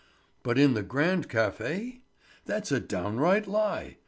"But in the Grand café? That's a downright lie.